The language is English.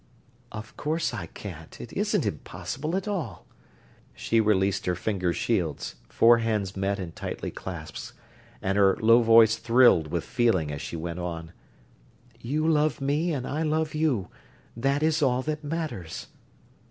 "Of course I can't it isn't impossible, at all." She released her finger shields, four hands met and tightly clasped; and her low voice thrilled with feeling as she went on: "You love me and I love you. That is all that matters."